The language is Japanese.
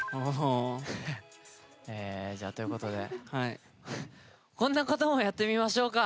えじゃあということでこんなこともやってみましょうか。